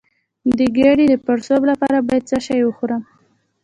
د ګیډې د پړسوب لپاره باید څه شی وخورم؟